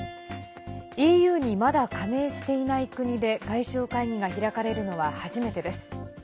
ＥＵに、まだ加盟していない国で外相会議が開かれるのは初めてです。